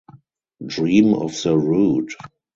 Dream of the Rood.